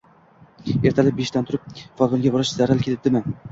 Ertalab beshdan turib folbinga borish zaril kelibdimi